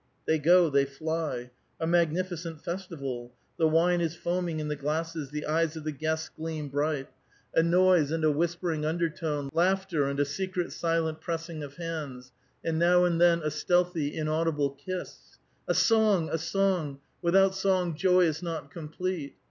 They go, they fly. A magnificent festival. The wine is foaming in the glasses ; the eyes of the guests gleam bright. A noise and A VITAL QUESTION. 369 a whispering undertone, laughter, and a secret, silent press ing of hands, and now and then a stealtliy, inaudible kiss. —" A sou^. a song ! without song joy is not complete